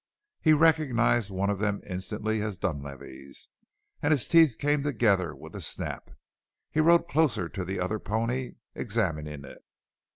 He recognized one of them instantly as Dunlavey's, and his teeth came together with a snap. He rode closer to the other pony, examining it.